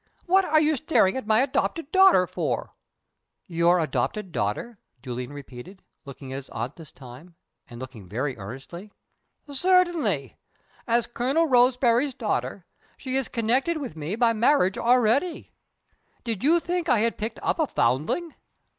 "What are you staring at my adopted daughter for?" "Your adopted daughter?" Julian repeated looking at his aunt this time, and looking very earnestly. "Certainly! As Colonel Roseberry's daughter, she is connected with me by marriage already. Did you think I had picked up a foundling?"